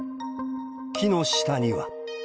木の下には。